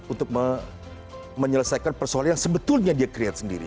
untuk menyelesaikan persoalan yang sebetulnya dia create sendiri